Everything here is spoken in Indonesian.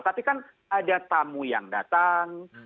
tapi kan ada tamu yang datang